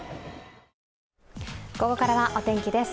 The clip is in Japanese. ここからはお天気です。